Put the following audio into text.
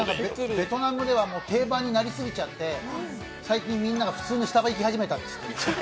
ベトナムでは定番になりすぎちゃって、普通にスタバ行き始めたって。